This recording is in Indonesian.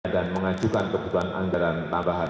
dan mengajukan kebutuhan anggaran tambahan